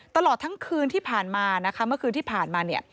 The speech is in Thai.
ตลอดทั้งคืนที่ผ่านมานะคะเมื่อคืนที่ผ่านมาเนี่ย